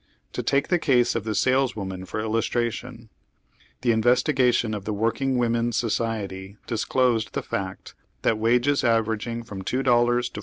To take the case of the sales women for illustration : The investigation of the Work ing Women's Society disclosed the fact that wages averag ing from $3 to $4.